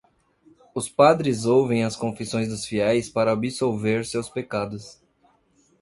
Os padres ouvem as confissões dos fiéis para absolver seus pecados.